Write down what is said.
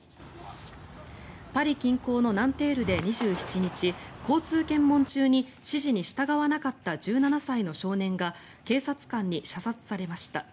パリ近郊のナンテールで２７日交通検問中に指示に従わなかった１７歳の少年が警察官に射殺されました。